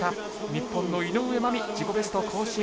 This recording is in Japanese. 日本の井上舞美自己ベスト更新。